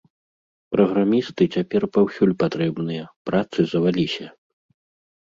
Праграмісты цяпер паўсюль патрэбныя, працы заваліся.